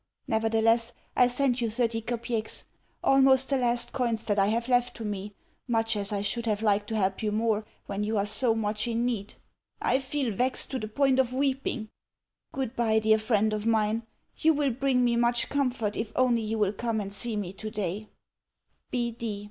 Nevertheless, I send you thirty kopecks almost the last coins that I have left to me, much as I should have liked to have helped you more when you are so much in need. I feel vexed to the point of weeping. Goodbye, dear friend of mine. You will bring me much comfort if only you will come and see me today.